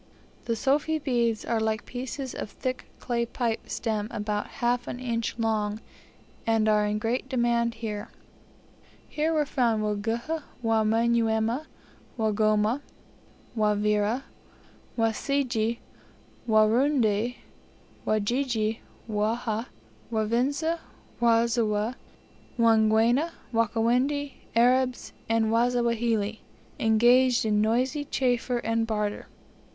The sofi beads are like pieces of thick clay pipe stem about half an inch long, and are in great demand here. Here were found Waguhha, Wamanyuema, Wagoma, Wavira, Wasige, Warundi, Wajiji, Waha, Wavinza, Wasowa, Wangwana, Wakawendi, Arabs, and Wasawahili, engaged in noisy chaffer and barter.